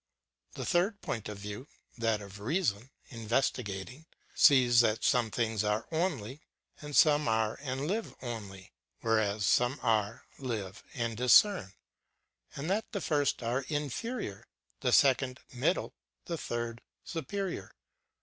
Tlie third point of view ŌĆö that of reason ŌĆö investigating, sees that some things are only, and some are and live only, whereas some are, live, and discern ; and that the first are inferior ; the second, middle; the third, superior.